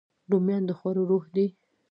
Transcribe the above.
رومیان د خوړو روح دي